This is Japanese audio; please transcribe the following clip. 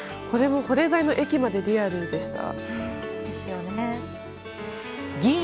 保冷剤の液までリアルでした。